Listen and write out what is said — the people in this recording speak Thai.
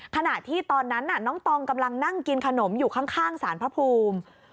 ขณะที่ตอนนั้นน้องตองกำลังนั่งกินขนมอยู่ข้างสารพระภูมิ